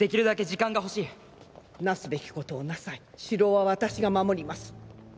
時間が欲しいなすべきことをなさい城は私が守ります